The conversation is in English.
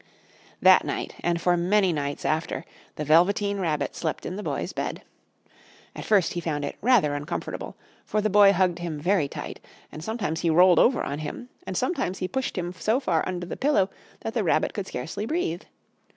That night, and for many nights after, the Velveteen Rabbit slept in the Boy's bed. At first he found it rather uncomfortable, for the Boy hugged him very tight, and sometimes he rolled over on him, and sometimes he pushed him so far under the pillow that the Rabbit could scarcely breathe.